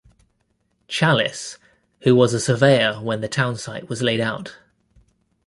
Challis, who was a surveyor when the townsite was laid out.